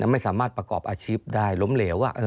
ไม่สามารถประกอบอาชีพได้ล้มเหลวว่า